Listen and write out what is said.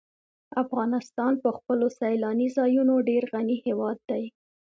افغانستان په خپلو سیلاني ځایونو ډېر غني هېواد دی.